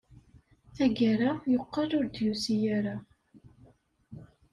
Tagara, yeqqel ur d-yusi ara.